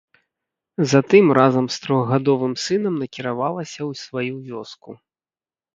Затым разам з трохгадовым сынам накіравалася ў сваю вёску.